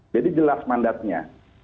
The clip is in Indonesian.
jadi jelas mandatnya